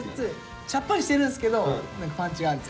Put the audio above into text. さっぱりしてるんですけど何かパンチがあるやつ。